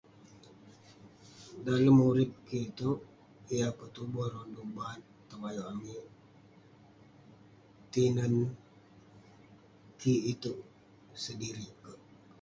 Dalem urip kik iteuk, yah petuboh rodu bad tong ayuk amik, tinen kik iteuk sedirik kek.